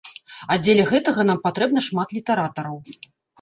А дзеля гэтага нам патрэбна шмат літаратараў.